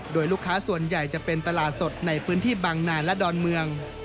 โดยลูกค้าส่วนใหญ่จะเป็นตลาดสดในพื้นที่บางนานและดอนเมือง